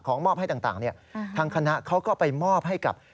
มอบให้ต่างทางคณะเขาก็ไปมอบให้กับ